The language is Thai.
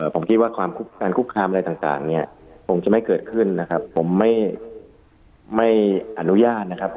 ผมจะไม่เคยกินนะครับผมไม่อนุญาตนะครับ